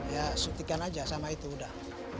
ya sutikan saja sama itu sudah